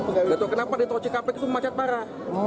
nggak tahu kenapa di tol cikampek itu macet parah